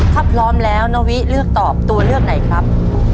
ถ้าพร้อมแล้วนาวิเลือกตอบตัวเลือกไหนครับ